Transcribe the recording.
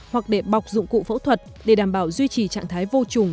hoặc để bọc dụng cụ phẫu thuật để đảm bảo duy trì trạng thái vô trùng